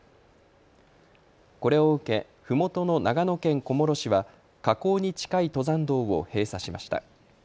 これを受けふもとの長野県小諸市は火口に近い登山道を閉鎖しました。